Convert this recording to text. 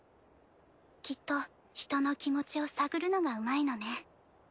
きっと人の気持ちを探るのがうまいのね。